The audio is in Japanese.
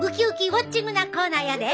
ウォッチングなコーナーやで！